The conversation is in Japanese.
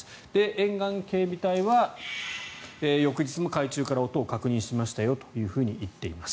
沿岸警備隊は翌日も海中から音を確認しましたよと言っています。